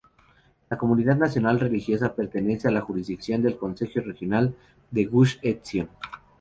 La comunidad nacional religiosa pertenece a la jurisdicción del Concejo Regional de Gush Etzion.